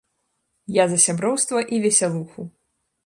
Я за сяброўства і весялуху.